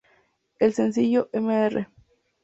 El sencillo "Mr.